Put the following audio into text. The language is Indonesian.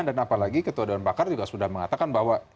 dan apalagi ketua dewan bakar juga sudah mengatakan bahwa